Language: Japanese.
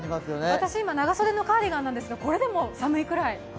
私今、長袖のカーディガンなんですが、これでも寒いくらい。